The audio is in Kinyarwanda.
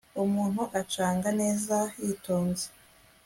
umuntu akacanga neza yitonze